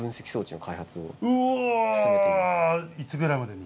うおいつぐらいまでに？